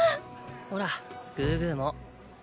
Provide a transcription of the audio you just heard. ほらグーグーも。